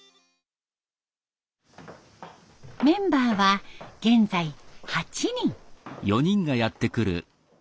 メンバーは現在８人。